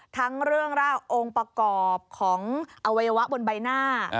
ทั้งเรื่องราวองค์ประกอบของอวัยวะบนใบหน้า